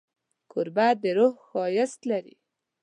کوربه د روح ښایست لري.